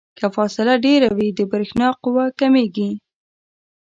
که فاصله ډیره وي د برېښنا قوه کمیږي.